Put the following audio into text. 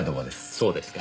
そうですか。